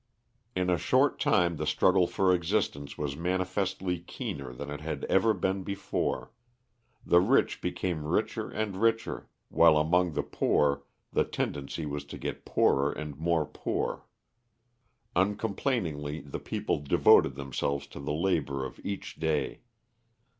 In a short time the struggle for existence was manifestly keener than it had ever been before; the rich became richer and richer, while among the poor the tendency was to get poorer and more poor. Uncomplainingly the people devoted themselves to the labor of each day.